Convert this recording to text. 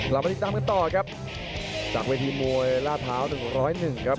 เรามาติดตามกันต่อครับจากโวยชิงล่าเท้า๑๐๑นะครับ